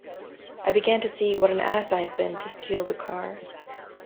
I began to see what an ass I had been to steal the car.